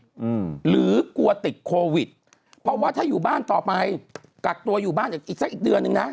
อืมหรือกลัวติดโควิดเพราะว่าถ้าอยู่บ้านต่อไปกักตัวอยู่บ้านอีกอีกสักอีกเดือนหนึ่งนะ